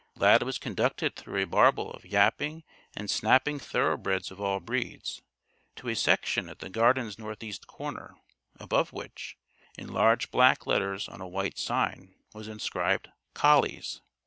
Lad was conducted through a babel of yapping and snapping thoroughbreds of all breeds, to a section at the Garden's northeast corner, above which, in large black letters on a white sign, was inscribed "COLLIES."